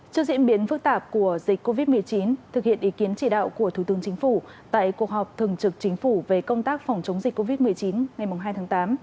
trước diễn biến phức tạp của dịch covid một mươi chín thực hiện ý kiến chỉ đạo của thủ tướng chính phủ tại cuộc họp thường trực chính phủ về công tác phòng chống dịch covid một mươi chín ngày hai tháng tám